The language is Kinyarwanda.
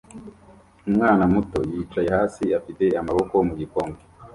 Umwana muto yicaye hasi afite amaboko mu gikombe